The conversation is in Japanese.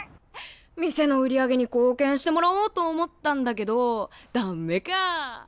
店の売り上げに貢献してもらおうと思ったんだけどダメか。